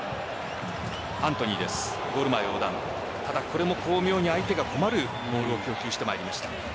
これも巧妙に相手が困るボールを供給してきました。